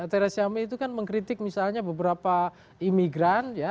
theresa may itu kan mengkritik misalnya beberapa imigran